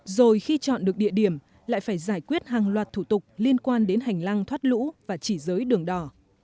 rồi khi chọn được địa điểm lại phải giải quyết hàng loạt thủ tục liên quan đến hành lang thoát lũ và chỉ giới đường đỏ